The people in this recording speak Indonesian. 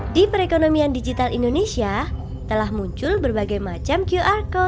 di perekonomian digital indonesia telah muncul berbagai macam qr code